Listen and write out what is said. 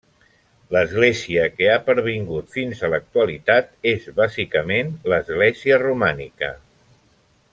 L'església que ha pervingut fins a l'actualitat és bàsicament l'església romànica.